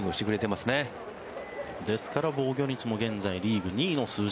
ですから防御率も現在リーグ２位の数字。